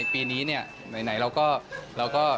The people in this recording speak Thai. ปีนี้เนี่ยไหนเราก็